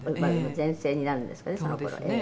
全盛になるんですかね